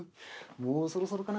もうそろそろかな？